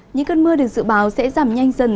những cơn mưa được dự báo sẽ giảm nhanh dần